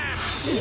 え！？